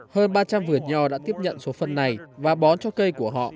hơn ba trăm linh vượt nho đã tiếp nhận số phân này và bón cho cây của họ